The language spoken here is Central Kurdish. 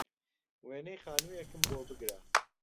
وێنەی خانووێکم بۆ بگرە